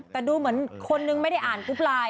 แต่ดูเหมือนคนนึงไม่ได้อ่านกรุ๊ปไลน์